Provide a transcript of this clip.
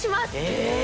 え！